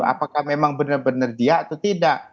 apakah memang benar benar dia atau tidak